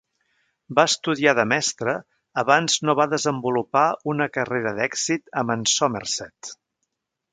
Va estudiar de mestre abans no va desenvolupar una carrera d'èxit amb en Somerset.